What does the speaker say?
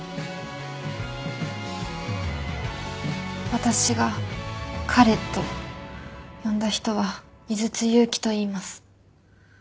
私が「彼」と呼んだ人は井筒祐希といいます。